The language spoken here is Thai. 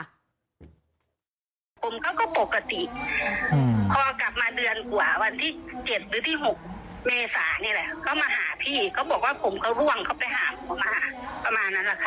ผมเขาก็ปกติอืมพอกลับมาเดือนกว่าวันที่เจ็ดหรือที่หกเมษานี่แหละ